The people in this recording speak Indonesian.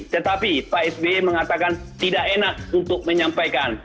tetapi pak sby mengatakan tidak enak untuk menyampaikan